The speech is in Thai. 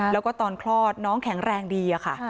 แล้วก็ตอนคลอดน้องแข็งแรงดีค่ะ